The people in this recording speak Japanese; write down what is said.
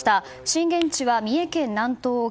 震源地は三重県南東沖。